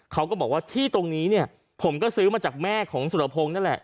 เขาก็บอกว่าที่ตรงนี้เนี่ยผมก็ซื้อมาจากแม่ของสุรพงศ์นั่นแหละ